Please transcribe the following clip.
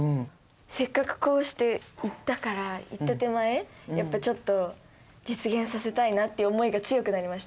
せっかくこうして言ったから言った手前やっぱちょっと実現させたいなって思いが強くなりました。